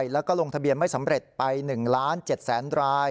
แล้วก็ลงทะเบียนไม่สำเร็จไป๑๗๐๐๐๐๐ดร